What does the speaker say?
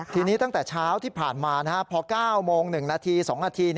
ทีนี้ตั้งแต่เช้าที่ผ่านมาพอ๙โมง๑นาที๒นาที